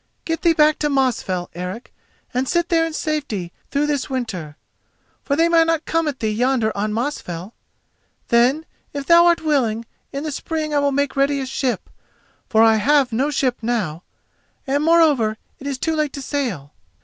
Get thee back to Mosfell, Eric, and sit there in safety through this winter, for they may not come at thee yonder on Mosfell. Then, if thou art willing, in the spring I will make ready a ship, for I have no ship now, and, moreover, it is too late to sail.